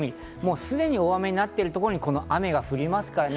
すでに大雨になっているところに雨が降りますからね。